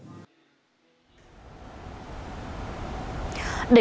người đối với thuận